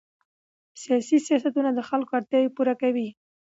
سیاسي سیاستونه د خلکو اړتیاوې پوره کوي